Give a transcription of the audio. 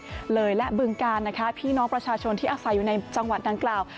จังหวัดเลยและบึงการนะคะพี่น้องประชาชนที่อาศัยอยู่ในจังหวัดดังกล่าว